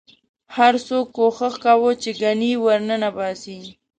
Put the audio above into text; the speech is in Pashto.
هر څوک کوښښ کاوه چې ګنې ورننه باسي.